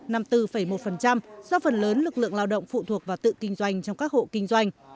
do phần lớn lực lượng lao động phụ thuộc vào tự kinh doanh trong các hộ kinh doanh